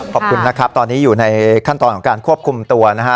ขอบคุณนะครับตอนนี้อยู่ในขั้นตอนของการควบคุมตัวนะฮะ